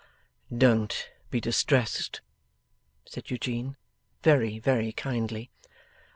'Don't be distressed,' said Eugene, very, very kindly.